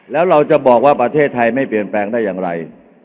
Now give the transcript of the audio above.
แล้วเราจะบอกว่าประเทศไทยไม่เปลี่ยนแปลงได้อย่างไร